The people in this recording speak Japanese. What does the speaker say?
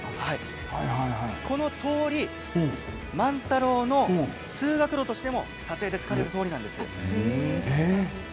この通り、万太郎の通学路としても撮影で使われている通りです。